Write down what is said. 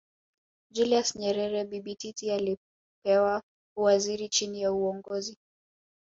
Julius Nyerere Bibi Titi alipewa uwaziri chini ya Uongozi